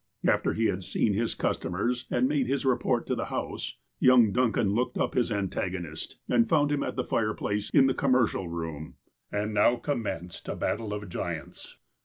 After he had seen his customers, and made his report to the house, young Duncan looked up his antagonist, and found him at the fireplace in the commercial room. And now commenced a battle of giants.